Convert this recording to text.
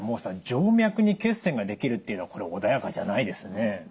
静脈に血栓が出来るっていうのはこれ穏やかじゃないですね。